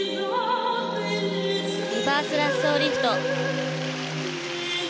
リバースラッソーリフト。